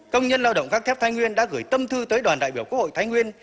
công nhân lao động gác thép thái nguyên đã gửi tâm thư tới đoàn đại biểu quốc hội thái nguyên